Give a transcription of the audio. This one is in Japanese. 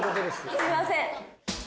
すいません。